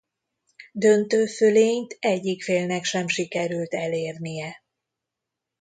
Döntő fölényt egyik félnek sem sikerült elérnie.